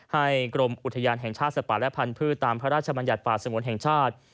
กรมอุทยานแห่งชาติสัตว์ป่าและพันธุ์ตามพระราชบัญญัติป่าสงวนแห่งชาติ